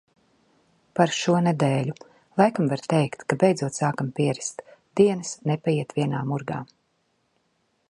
Par šo nedēļu. Laikam var teikt, ka beidzot sākam pierast. Dienas nepaiet vienā murgā.